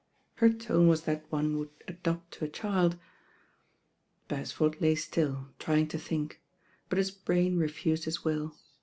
Her tone was that one would adopt to a child. ..^^'fu'^ 'mT ''^i"' *^"« *o th«nk; but his brain refused his will.